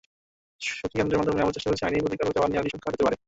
সখীকেন্দ্রের মাধ্যমে আমরা চেষ্টা করছি আইনি প্রতিকার চাওয়া নারীর সংখ্যা যাতে বাড়ে।